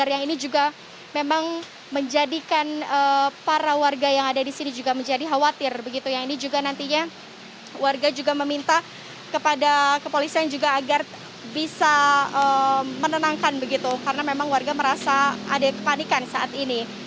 yang ini juga memang menjadikan para warga yang ada di sini juga menjadi khawatir yang ini juga nantinya warga juga meminta kepada kepolisian juga agar bisa menenangkan begitu karena memang warga merasa ada kepanikan saat ini